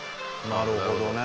なるほどね。